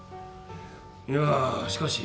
いやしかし。